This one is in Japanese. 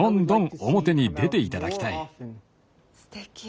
すてき。